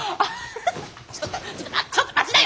ちょっとちょっと待ちなよ！